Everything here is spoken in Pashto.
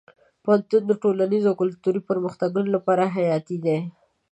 پوهنتون د ټولنیزو او کلتوري پرمختګونو لپاره حیاتي دی.